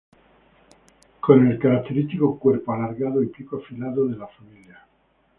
Con el característico cuerpo alargado y pico afilado de la familia.